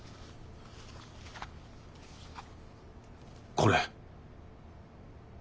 これ。